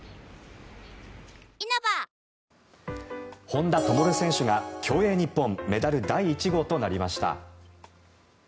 本多灯選手が競泳日本メダル第１号となりました。